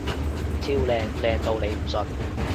超靚！靚到你唔信！